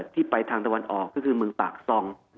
ที่ไปทางตะวันออกก็คือเมืองปากซอง